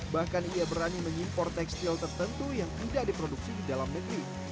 bahkan ia berani mengimpor tekstil tertentu yang tidak diproduksi di dalam negeri